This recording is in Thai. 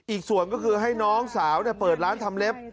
อีกส่วนก็คือให้น้องสาวเปิดร้านทำเล็บ